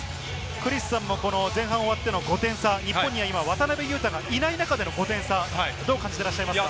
クリスさんも前半終わっての５点差、日本には今、渡邊雄太がいない中での５点差、どう感じていますか？